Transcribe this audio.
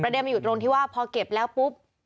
เด็มันอยู่ตรงที่ว่าพอเก็บแล้วปุ๊บ